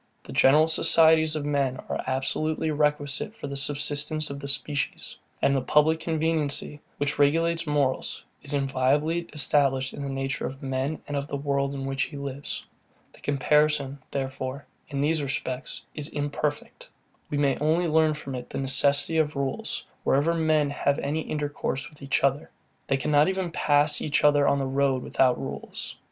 The general societies of men are absolutely requisite for the subsistence of the species; and the public conveniency, which regulates morals, is inviolably established in the nature of man, and of the world, in which he lives. The comparison, therefore, in these respects, is very imperfect. We may only learn from it the necessity of rules, wherever men have any intercourse with each other. They cannot even pass each other on the road without rules.